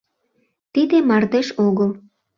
Тиде мардеж огыл!